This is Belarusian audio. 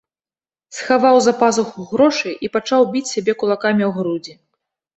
Схаваў за пазуху грошы і пачаў біць сябе кулакамі ў грудзі.